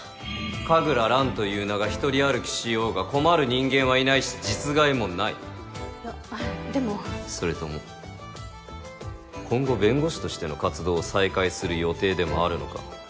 神楽蘭という名が独り歩きしようが困る人間はいないし実害もないいやでもそれとも今後弁護士としての活動を再開する予定でもあるのか？